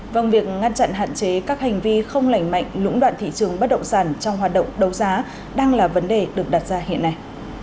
vâng việc ngăn chặn hạn chế các hành vi không lành mạnh lũng đoạn thị trường bất động sản trong hoạt động đấu giá đang là vấn đề được đặt ra hiện nay